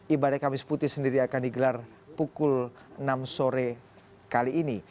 ibadah kamis putih sendiri akan digelar pukul enam sore kali ini